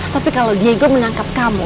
tapi kalau diego menangkap kamu